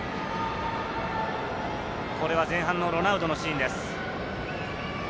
これは前半のロナウドのシーンです。